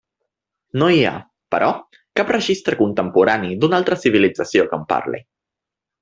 No hi ha, però, cap registre contemporani d'una altra civilització que en parli.